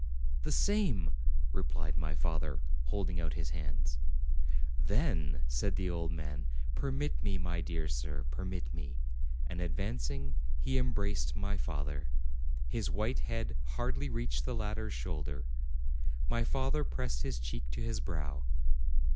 "The same," replied my father, holding out his hands. "Then," said the old man, "permit me, my dear sir, permit me;" and advancing, he embraced my father : his white head hardly reached the latter s shoulder. My father pressed his cheek to his brow.